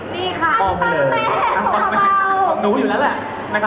ปังแม่ง